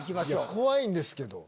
怖いんですけど。